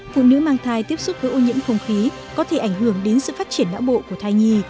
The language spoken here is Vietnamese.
phụ nữ mang thai tiếp xúc với ô nhiễm không khí có thể ảnh hưởng đến sự phát triển não bộ của thai nhi